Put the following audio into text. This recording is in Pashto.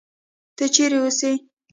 ته چېرې اوسې؟